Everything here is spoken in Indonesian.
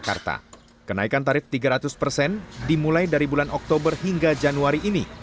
kenaikan tarif tiga ratus persen dimulai dari bulan oktober hingga januari ini